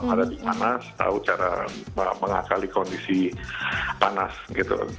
ada dimana tahu cara mengakali kondisi panas gitu